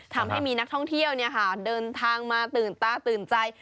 ทำให้มีนักท่องเที่ยวเดินทางมาตื่นตาตื่นใจ